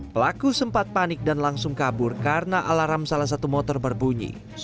pelaku sempat panik dan langsung kabur karena alarm salah satu motor berbunyi